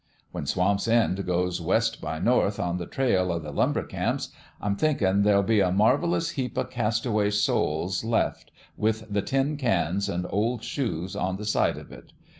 When Swamp's End goes west by north on the trail o' the lumber camps, I'm thinkin', there'll be a marvellous heap o' castaway souls left with the tin cans an' oF shoes on the site of it.